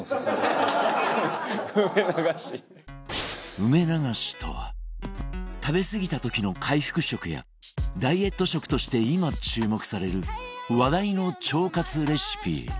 梅流しとは食べすぎた時の回復食やダイエット食として今注目される話題の腸活レシピ